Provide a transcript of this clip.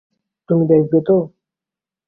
তুমি দেখবে তো?